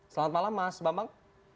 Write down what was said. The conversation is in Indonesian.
selamat malam mas bambang